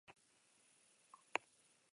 Bere lurzoru beltzean laboreak hazten dira.